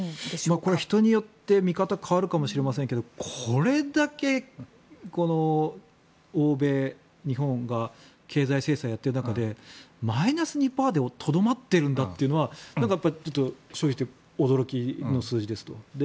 これは人によって見方が変わるかもしれませんがこれだけ欧米、日本が経済制裁をやっている中でマイナス２％でとどまっているんだというのはちょっと正直言って驚きの数字ですと。